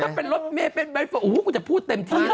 ถ้าเป็นรถเมย์เป็นใบเฟิร์กูจะพูดเต็มที่เลย